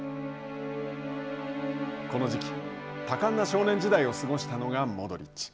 この時期多感な少年時代を過ごしたのがモドリッチ。